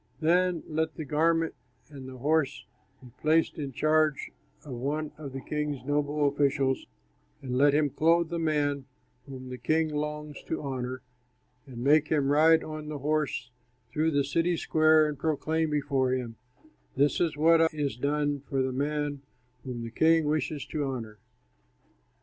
Then let the garment and the horse be placed in charge of one of the king's noble officials and let him clothe the man whom the king longs to honor and make him ride on the horse through the city square and proclaim before him, 'This is what is done for the man whom the king wishes to honor.'"